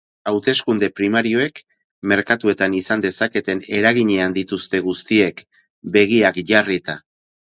Hauteskunde primarioek merkatuetan izan dezaketen eraginean dituzte guztiek begiak jarrita.